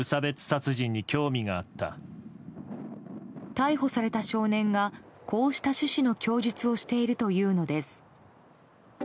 逮捕された少年がこうした趣旨の供述をしているというのです。